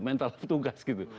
mental tugas gitu